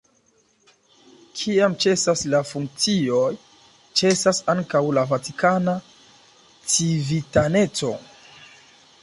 Kiam ĉesas la funkcioj, ĉesas ankaŭ la vatikana civitaneco.